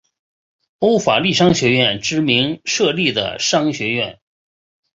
欧法利商学院之名设立的商学院。